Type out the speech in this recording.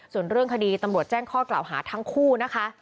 ส่วนเรื่องคดีตำรวจแจ้งข้อกล่าวหาทั้งคู่นะคะ